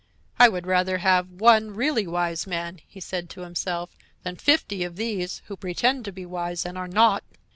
"I would rather have one really Wise Man," he said to himself, "than fifty of these, who pretend to be wise and are not."